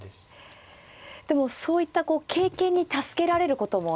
でもそういった経験に助けられることもあります。